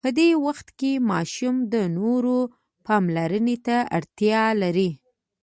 په دې وخت کې ماشوم د نورو پاملرنې ته اړتیا لري.